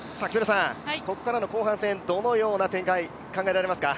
ここからの後半戦、どのような展開予想されますか。